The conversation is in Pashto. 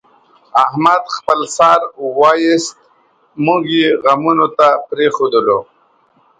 احمد خپل سر وایست، موږ یې غمونو ته پرېښودلو.